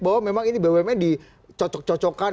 bahwa memang ini bumn dicocok cocokkan